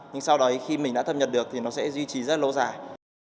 nhưng sau đấy khi mình đã thâm nhập được thì nó sẽ duy trì rất lâu dài